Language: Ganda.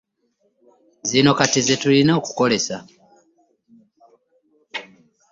Zino kati ze tulina okukozesa.